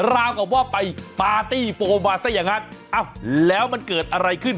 ราวกับว่าไปปาร์ตี้โฟมาซะอย่างนั้นแล้วมันเกิดอะไรขึ้น